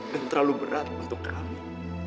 terlalu berat untuk kami